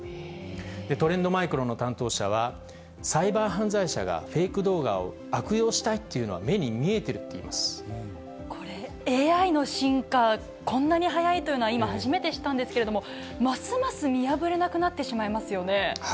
トレンドマイクロの担当者は、サイバー犯罪者がフェイク動画を悪用したいというのは目に見えてこれ、ＡＩの進化、こんなに早いというのは、今、初めて知ったんですけど、ますます見破れなくなってしまいますよね。